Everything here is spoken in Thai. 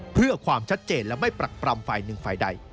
เพื่อความชัดเจนและไม่ปรักปรำฝ่ายหนึ่งฝ่ายใด